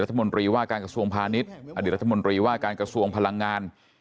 รัฐมนตรีว่าการกระทรวงพาณิชย์อดีตรัฐมนตรีว่าการกระทรวงพลังงาน